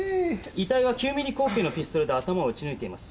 遺体は９ミリ口径のピストルで頭を撃ち抜いています。